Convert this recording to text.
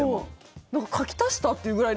なんか書き足した？っていうぐらい。